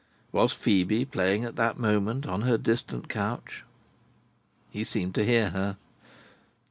Was Phœbe playing at that moment, on her distant couch? He seemed to hear her.